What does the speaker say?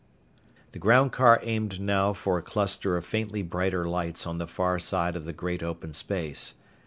The groundcar aimed now for a cluster of faintly brighter lights on the far side of the great open space.